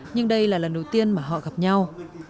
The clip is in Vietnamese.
nhưng đây là lần đầu tiên mà họ gặp nhau